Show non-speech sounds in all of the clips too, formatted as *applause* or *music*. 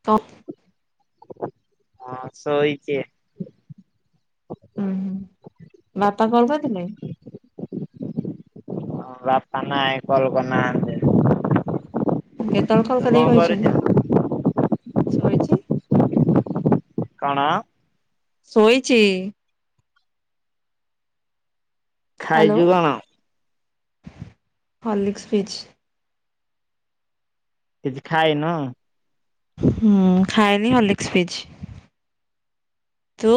ତ? ହଁ ଶୋଇଚି । ହୁଁ ହୁଁ ବାପା କଲ କରିଥିଲେ? ହଁ ବାପା ନାଇ କଲ କରିନାହାନ୍ତି। କେତବେଳେ କଲ୍ ତୁ କଣ କରିବେ କହିଛନ୍ତି? କରୁଛୁ? ଶୋଇଚି। କଣ? ଶୋଇଚି। ହ୍ୟାଲୋ ଖାଇଚୁ କଣ? ହର୍ଲିକ୍ସ ପିଇଚି। କିଛି ଖାଇନ? ହୁଁ ଖାଇନି ହର୍ଲିକ୍ସ ପିଇଚି। ତୁ?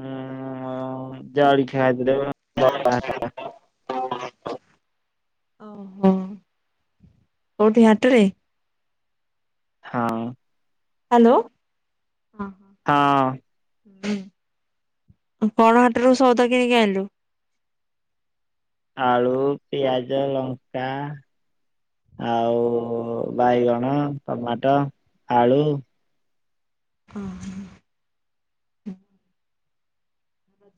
ମୁଁ ଅଁ ଜଳି ଖିଆ ଏଟା କଣ *unintelligible* ଓହୋ କୋଉଠି ହାଟରେ? ହଁ। ହାଲୋ। ହଁ। ଉଁ କଣ ହାଟୁରୁ ସୋଉଦ କିଣିକି ଆଇଁଲୁ! ଆଳୁ ପିଆଜ ଲଙ୍କା ଆଉ ବାଇଗଣ ଟମାଟୋ ଆଳୁ। ଅହ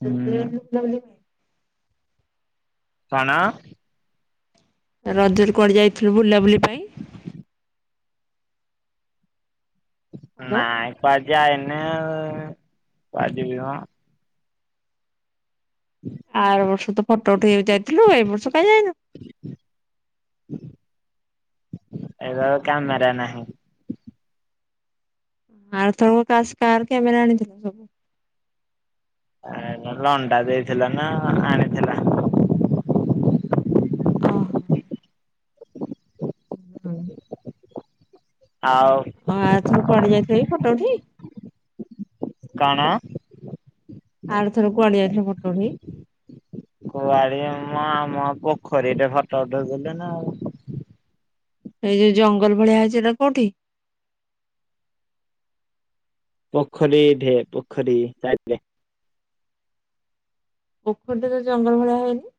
ହୁଁ *unintelligible* କଣ? ରଜରେ କୁଆଡ଼େ ଯାଇଥିଲୁ ବୁଲାବୁଲି ପାଇଁ? ହ୍ୟାଲୋ ନାଇଁ ପା ଯାଇନି କୁଆଡ଼େ ଯିବି ମ । ଆର ବର୍ଷ ତ ଫଟ ଉଠେଇଆକୁ ଯାଇଥିଲୁ ଏ ବର୍ଷ କାଁ ଯାଇନୁ? ଏବେ ଆଉ କାମେରା ନାହିଁ। ଆର ଥରକ କାସ୍ କାହାର କାମେରା ଆଣିଥିଲୁ ସବୁ? ଆ ଲଣ୍ଡା ଦେଇଥିଲା ନାଁ ଆଣିଥିଲା। ଅହ ହୁଁ। ଆଉ ଅ ଏଥର କୁଆଡ଼େ ଯାଇଥିବ କି ଫଟ ଉଠେଇ? କଣ? ଆର ଥର କୁଆଡ଼େ ଯାଇଥିଲ ଫଟ ଉଠେଇ? କୁଆଡ଼େ ଆମ ପୋଖରୀରେ ଫଟ ଉଠଉଥୁଲେ ନାଁ ଆଉ। ଏଇ ଯୋଉ ଜଙ୍ଗଲ ଭଳିଆ ହେଇଚି ହେଟା କୋଉଠି? ପୋଖରୀ ଢେ ପୋଖରୀ ସାଇଟରେ। ପୋଖରୀ ତ ଯୋଉ ଜଙ୍ଗଲ ଭଳିଆ ହେଇନି।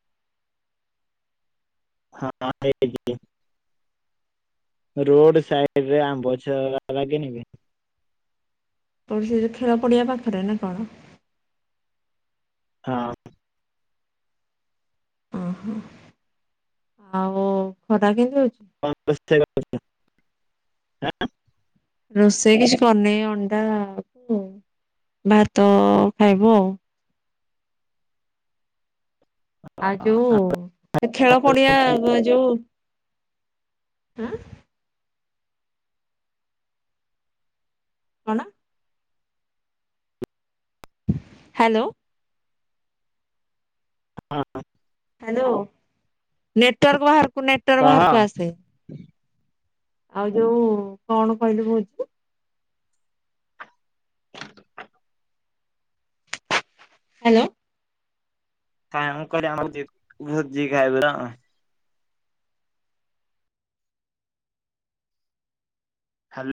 ହଁ ହେଇ *inaudible* ରୋଡ ସାଇଡରେ ଆମ୍ବଛ ଲାଗିନି କି? ଓ ସେ ଯୋଉ ଖେଳ ପଡ଼ିଆ ପାଖରେ ନାଁ କଣ? ହଁ। ଓହୋ ଆଉ ଖରା କେମିତି ହୋଉ *unintelligible* ଆଁ? ରୋଷେଇ କିଛି କରିନେଇ ଅଣ୍ଡାକୁ ଭାତ ଖାଇବୁ ଆଉ। ଆ ଯୋଉ ହେ ଖେଳ ପଡ଼ିଆ ବ ଯୋଉ ଆଁ? କଣ? ହାଲୋ। ହଁ। ହାଲୋ ନେଟୱାର୍କ ବାହାର କୁ ନେଟୱାର୍ କହ। ବାହାରୁକୁ ଆସେ। ଆଉ ଯୋଉ କଣ କହିଲୁ କୋହୁଚି ହାଲୋ। କାଇଁ ମୁଁ କହିଲି ଆଉ ଜି ଭୋଜି ଖାଇବୁ ର ହ୍ୟାଲୋ।